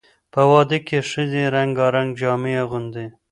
په واده کې ښځې رنګارنګ جامې اغوندي.